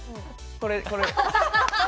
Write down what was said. これこれ。